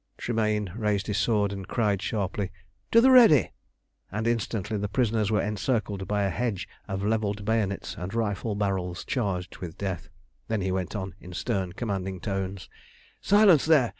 Tremayne raised his sword and cried sharply, "To the ready!" and instantly the prisoners were encircled by a hedge of levelled bayonets and rifle barrels charged with death. Then he went on, in stern commanding tones "Silence there!